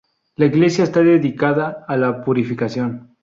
La iglesia está dedicada a La Purificación.